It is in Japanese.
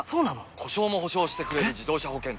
故障も補償してくれる自動車保険といえば？